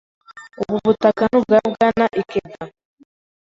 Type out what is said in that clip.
Ubu butaka ni ubwa Bwana Ikeda.